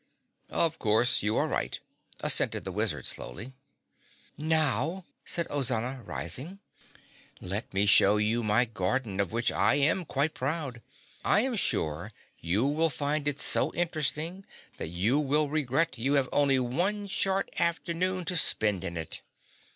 "Of course you are right," assented the Wizard slowly. "Now," said Ozana rising, "let me show you my garden of which I am quite proud. I am sure you will find it so interesting that you will regret you have only one short afternoon to spend in it.